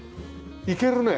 いけるね。